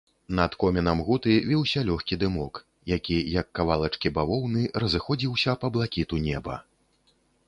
Над комінам гуты віўся лёгкі дымок, які, як кавалачкі бавоўны, разыходзіўся па блакіту неба.